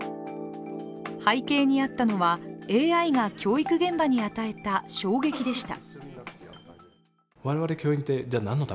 背景にあったのは、ＡＩが教育現場に与えた衝撃でした。